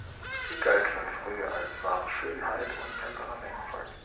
Sie galt schon früh als wahre Schönheit und temperamentvoll.